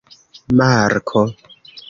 marko